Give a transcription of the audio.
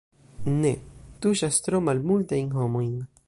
Ne, tuŝas tro malmultajn homojn.